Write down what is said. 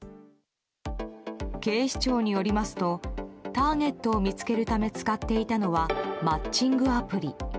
警視庁によりますとターゲットを見つけるため使っていたのはマッチングアプリ。